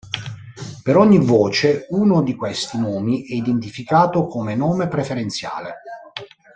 Per ogni voce, uno di questi nomi è identificato come "nome preferenziale".